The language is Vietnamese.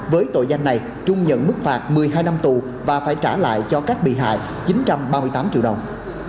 với tội danh này trung nhận mức phạt một mươi hai năm tù và phải trả lại cho các bị hại chín trăm ba mươi tám triệu đồng